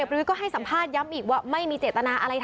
เล่าหมายไว้ง่าย